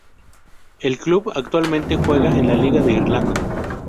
El club actualmente juega en la Liga de Irlanda.